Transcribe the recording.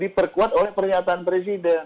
diperkuat oleh pernyataan presiden